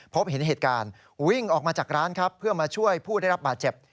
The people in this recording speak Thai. พบเห็นเหตุการณ์วิ่งออกมาจากร้านครับเพื่อมาช่วยผู้ได้รับบาดเจ็บ